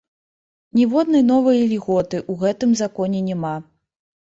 Ніводнай новай ільготы ў гэтым законе няма.